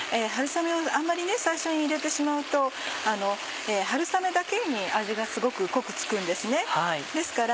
春雨をあんまり最初に入れてしまうと春雨だけに味がすごく濃く付くんです。